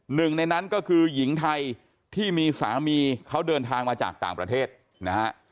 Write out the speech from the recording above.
หนึ่งในนั้นก็คือหญิงไทยที่มีสามีเขาเดินทางมาจากต่างประเทศนะฮะ